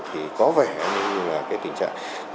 thì có vẻ như là cái tình trạng